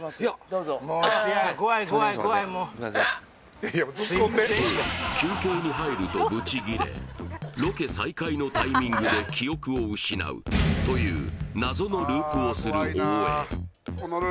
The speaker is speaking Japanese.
どうぞと休憩に入るとブチギレロケ再開のタイミングで記憶を失うという謎のループをする大江